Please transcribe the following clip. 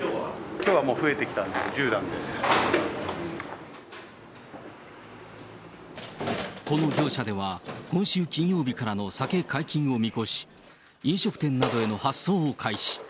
きょうはもう増えてきたんでこの業者では、今週金曜日からの酒解禁を見越し、飲食店などへの発送を開始。